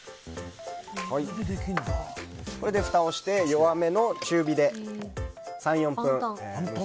これでふたをして弱めの中火で３４分。